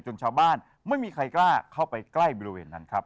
ชาวบ้านไม่มีใครกล้าเข้าไปใกล้บริเวณนั้นครับ